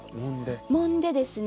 もんでですね